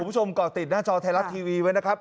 คุณผู้ชมก่อติดหน้าจอไทยรัตน์ทีวีไว้นะครับ